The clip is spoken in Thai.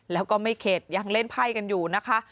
แล้วก็ไม่เข็ดยังเล่นไพ่กันอยู่นะคะ